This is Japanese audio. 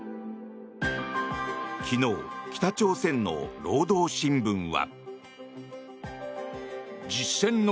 昨日、北朝鮮の労働新聞は。